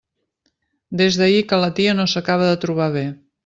Des d'ahir que la tia no s'acaba de trobar bé.